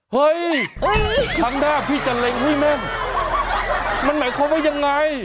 เฮ้ยครั้งหน้าพี่จะเล็งให้แม่นมันหมายความว่ายังไง